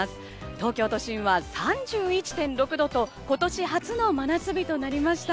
東京都心は３１．６度と今年初の真夏日となりました。